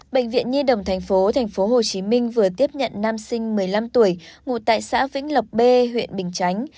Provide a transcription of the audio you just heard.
bệnh viện nhi đồng tp hcm vừa tiếp nhận nam sinh một mươi năm tuổi ngụ tại xã vĩnh lộc b huyện bình chánh